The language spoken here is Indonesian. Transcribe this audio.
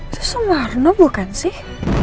itu semarno bukan sih